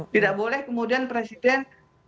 tidak boleh kemudian presiden